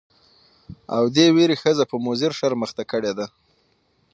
او دې ويرې ښځه په مضر شرم اخته کړې ده.